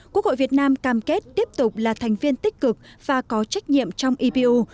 quốc hội việt nam cam kết tiếp tục là thành viên tích cực và có trách nhiệm trong ipu